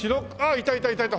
いたいたいたいた。